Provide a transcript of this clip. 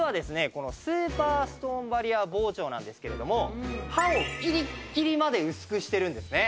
このスーパーストーンバリア包丁なんですけれども刃をギリッギリまで薄くしてるんですね。